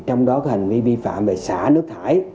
trong đó có hành vi vi phạm về xả nước thải